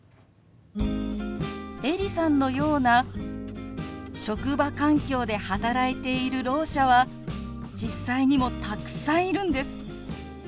エリさんのような職場環境で働いているろう者は実際にもたくさんいるんです。